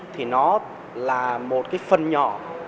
thì nó là một phần nhỏ